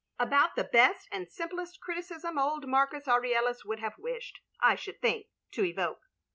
* About the best and simplest criticism old Marcus Aurelius would have wished, I should think, to evoke.